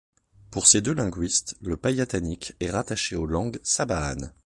Pour ces deux linguistes, le païtanique est rattaché aux langues sabahanes.